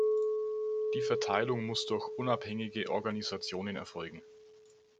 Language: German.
Die Verteilung muss durch unabhängige Organisationen erfolgen.